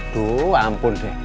duh ampun deh